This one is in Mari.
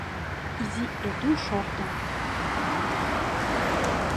— изи Эду шортын.